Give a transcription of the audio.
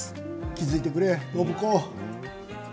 気付いてくれ、暢子。